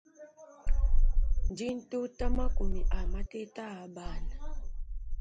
Ndi ntuta makumi a mateta abana.